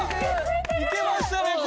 いけましたね。